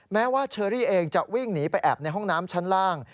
แม้ว่าเชอรี่เองจะวิ่งหนีไปแอบในห้องน้ำชั้นล่าง